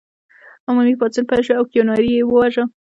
عمومي پاڅون پیل شو او کیوناري یې وواژه.